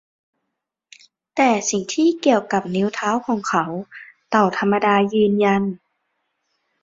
แต่สิ่งที่เกี่ยวกับนิ้วเท้าของเขา เต่าธรรมดายืนยัน